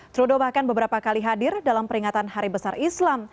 trudea bahkan beberapa kali hadir dalam peringatan hari besar islam